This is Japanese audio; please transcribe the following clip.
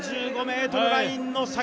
５５ｍラインの先。